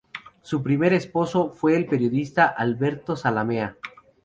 Su primer esposo fue el periodista Alberto Zalamea.